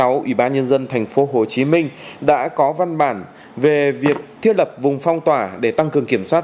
ủy ban nhân dân tp hcm đã có văn bản về việc thiết lập vùng phong tỏa để tăng cường kiểm soát